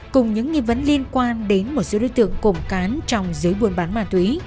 cùng những nghi vấn liên quan đến một số đối tượng cộng cán trong giới buôn bán ma túy